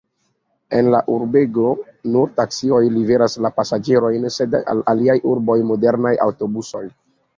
En la urbego nur taksioj liveras la pasaĝerojn, sed al aliaj urboj modernaj aŭtobusoj.